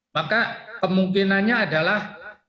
maka kemungkinannya adalah